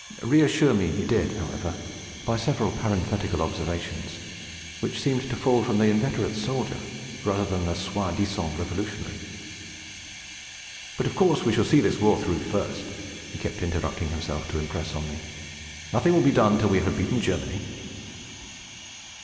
Reassure me he did, however, by several parenthetical observations, which seemed to fall from the inveterate soldier rather than the soi disant revolutionary. 'But of course we shall see this war through first,' he kept interrupting himself to impress on me. 'Nothing will be done till we have beaten Germany.'